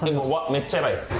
めっちゃやばいです。